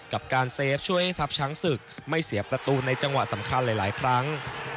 กับการเซฟช่วยให้ทัพช้างศึกไม่เสียประตูในจังหวะสำคัญหลายครั้ง